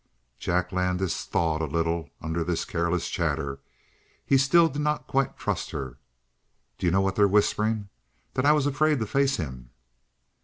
Jack Landis thawed a little under this careless chatter. He still did not quite trust her. "Do you know what they're whispering? That I was afraid to face him!"